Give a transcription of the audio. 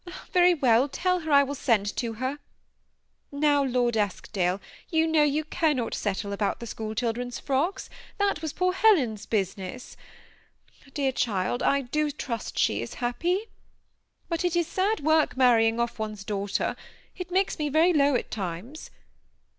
Very well, tell her I will send to her. Now, Lord Eskdale, you know you cannot settle about the school children's frocks ; that was poor. Hel en's business. Dear child ! I do trust she is happy, but it is sad work marrying off one's daughters; it makes me very low at times.